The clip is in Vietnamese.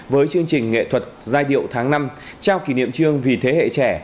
với chương trình nghệ thuật giai điệu tháng năm trao kỷ niệm trương vì thế hệ trẻ